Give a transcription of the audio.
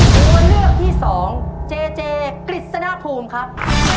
ตัวเลือกที่สองเจเจกฤษณภูมิครับ